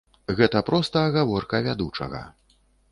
Гэта проста агаворка вядучага.